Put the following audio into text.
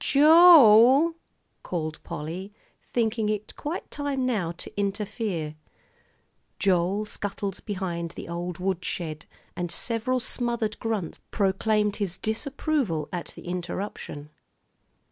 "Jo el!" called Polly, thinking it quite time now to interfere. Joel scuttled behind the old woodshed, and several smothered grunts proclaimed his disapproval at the interruption.